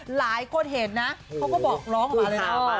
หลายคนเห็นนะเขาก็บอกร้องออกมาเลยนะ